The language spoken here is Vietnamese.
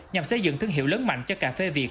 nhằm xây dựng thương hiệu lớn mạnh cho cà phê việt